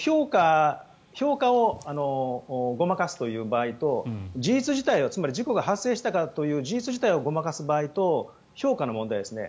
評価をごまかすという場合と事実自体、つまり事故が発生したという事実自体をごまかす場合と評価の問題ですね